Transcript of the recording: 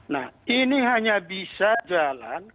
nah ini hanya bisa jalan